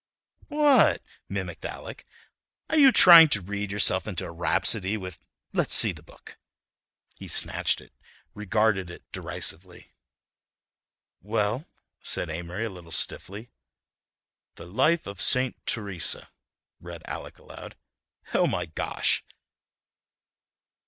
"What?" mimicked Alec. "Are you trying to read yourself into a rhapsody with—let's see the book." He snatched it; regarded it derisively. "Well?" said Amory a little stiffly. "'The Life of St. Teresa,'" read Alec aloud. "Oh, my gosh!"